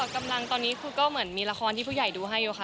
กำลังตอนนี้คือก็เหมือนมีละครที่ผู้ใหญ่ดูให้อยู่ค่ะ